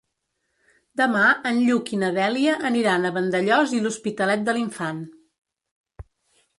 Demà en Lluc i na Dèlia aniran a Vandellòs i l'Hospitalet de l'Infant.